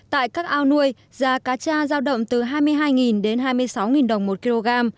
tại các ao nuôi giá cá cha giao động từ hai mươi hai đến hai mươi sáu đồng một kg